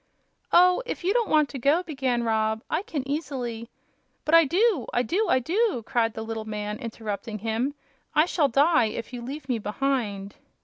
"Oh, if you don't want to go," began Rob, "I can easily " "But I do! I do! I do!" cried the little man, interrupting him. "I shall die if you leave me behind!"